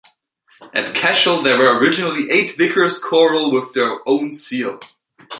At Cashel there were originally eight vicars choral with their own seal.